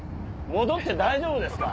戻って大丈夫ですか？